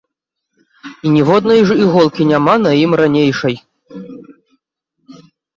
І ніводнае ж іголкі няма на ім ранейшай.